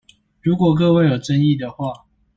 如果各位有爭議的話